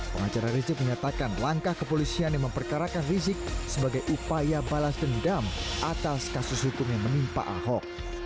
pengacara rizik menyatakan langkah kepolisian yang memperkarakan rizik sebagai upaya balas dendam atas kasus hukum yang menimpa ahok